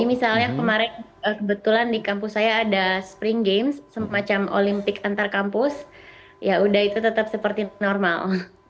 jadi misalnya kemarin kebetulan di kampus saya ada spring games semacam olimpik antar kampus ya udah itu tetap seperti normal